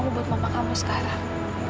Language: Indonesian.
semua doa kamu buat mama kamu sekarang